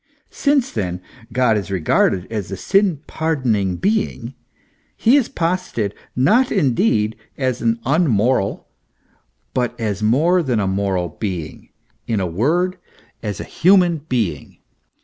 Since, then, God is regarded as a sin pardoning being, he is posited, not indeed as an unmoral, but as more than a moral being in a word, as a human being.